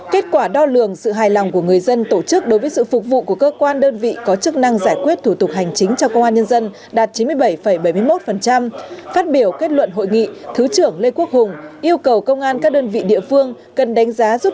kết quả đo lường sự hài lòng của người dân tổ chức đối với sự phục vụ của cơ quan đơn vị có chức năng giải quyết thủ tục hành chính trong công an nhân dân đạt chín mươi một một mươi sáu